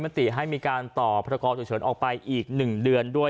มัติให้มีการต่อพรกเถือเฉืนออกไปอีกหนึ่งเดือนด้วย